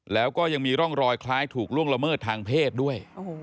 แล้วก็ยังมีร่องรอยคล้ายถูกล่วงละเมิดทางเพศด้วย